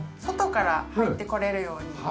外から入ってこれるように。